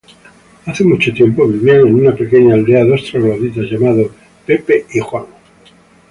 Hace mucho tiempo vivían en una pequeña aldea dos trogloditas llamados Joe y Mac.